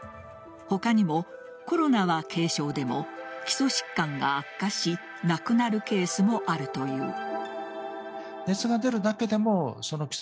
他にも、コロナは軽症でも基礎疾患が悪化し亡くなるケースもあるという。